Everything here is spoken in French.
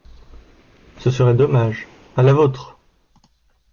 Ce serait dommage. À la vôtre!